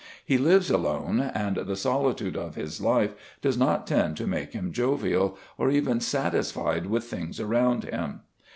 He lives alone, and the solitude of his life does not tend to make him jovial, or even satisfied with things around him.